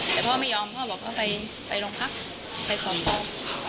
แต่พ่อไม่ยอมพ่อบอกว่าไปโรงพักไปขอมเบา